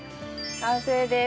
完成です。